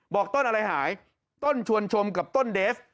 บอกต้นอะไรหายต้นชวนชมกับต้นเดฟ